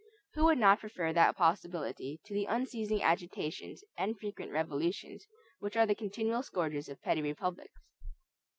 Who would not prefer that possibility to the unceasing agitations and frequent revolutions which are the continual scourges of petty republics?